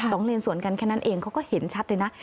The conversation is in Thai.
เลนสวนกันแค่นั้นเองเขาก็เห็นชัดเลยนะ